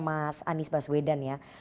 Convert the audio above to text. mas anies baswedan ya